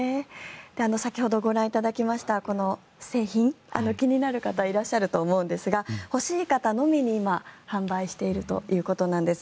先ほどご覧いただきましたこの製品気になる方いらっしゃると思うんですが欲しい方のみに今販売しているということです。